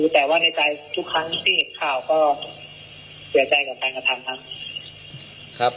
แต่ว่าในใจทุกครั้งที่เห็นข่าวก็เสียใจกับการกระทำครับ